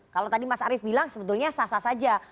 kalau tadi mas arief bilang sebetulnya sah sah saja